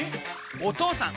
お義父さん！